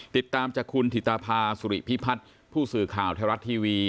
ติดตามจากคุณถิตภาสุริพิพัฒน์ผู้สื่อข่าวไทยรัฐทีวี